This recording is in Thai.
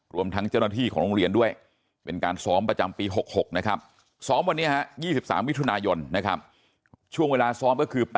รวมทั้งเจ้าหน้าที่ของโรงเรียนด้วยเป็นการซ้อมประจำปี๖๖นะครับซ้อมวันนี้ฮะ๒๓มิถุนายนนะครับช่วงเวลาซ้อมก็คือ